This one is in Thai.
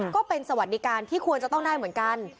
ก็เป็นสวัสดิการที่ควรจะต้องได้เหมือนกัน